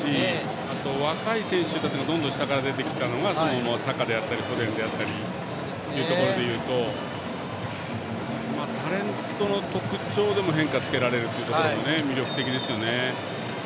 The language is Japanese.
あと、若い選手たちがどんどん下から出てきたのがサカだったりフォデンであったりっていうところで言うとタレントの特徴でも変化をつけられるというのも魅力的ですよね。